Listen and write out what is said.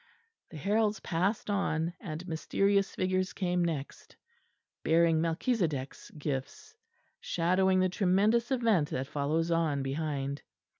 The heralds passed on; and mysterious figures came next, bearing Melchisedech's gifts; shadowing the tremendous event that follows on behind.